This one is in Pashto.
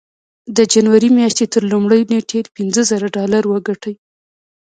د جنوري مياشتې تر لومړۍ نېټې پينځه زره ډالر وګټئ.